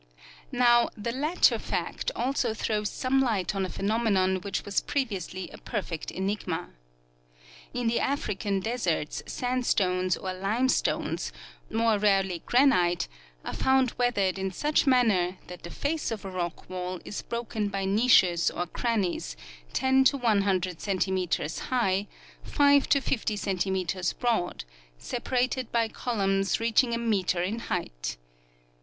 Now, the latter fact also throws some light on a phenome non which Avas previously a perfect enigma. In the African deserts, sandstones or limestones, more rarely granite, are found weathered in such manner that the face of a rock wall is broken by niches or crannies 10 to 100 centimeters high, 5 to 50 centi meters broad, separated by columns reaching a meter in height.